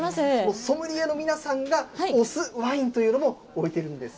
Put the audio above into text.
ソムリエの皆さんが推すワインというのも置いているんですよ